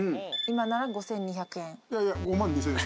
いやいや５２，０００円。